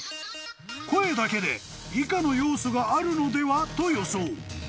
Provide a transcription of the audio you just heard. ［声だけで以下の要素があるのではと予想］